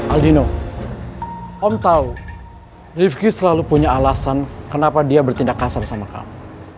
aldino om tahu rifki selalu punya alasan kenapa dia bertindak kasar sama kamu